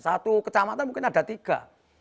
satu kecamatan mungkin ada tiga